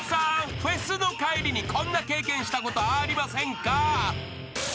フェスの帰りにこんな経験したことありませんか？］